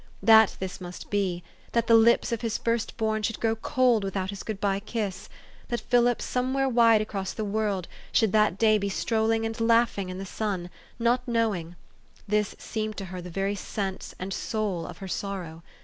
That this must be ; that the lips of his first born should grow cold without his good by kiss ; that Philip, somewhere wide across the world, should that day be strolling and laughing in the sun, not knowing, this seemed to her the very sense and soul of her sorrow.